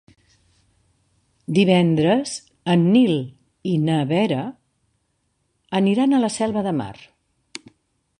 Divendres en Nil i na Vera aniran a la Selva de Mar.